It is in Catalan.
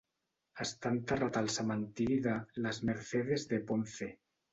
Està enterrat al cementiri de Las Mercedes de Ponce.